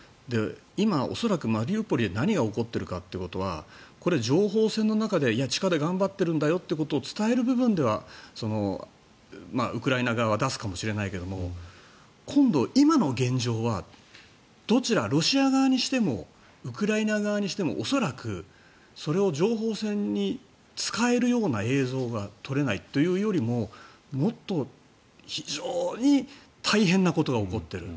今、恐らくマリウポリで何が起こっているかってことはこれは情報戦の中で、地下で頑張ってるんだよということを伝える部分では、ウクライナ側は出すかもしれないですが今度、今の現状はロシア側にしてもウクライナ側にしても恐らくそれを情報戦に使えるような映像が撮れないというよりももっと非常に大変なことが起こっている。